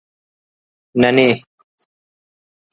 ننے